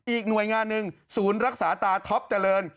อีกหน่วยงานหนึ่งศูนย์รักษาตาท็อปเจริญ